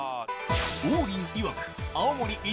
王林いわく青森一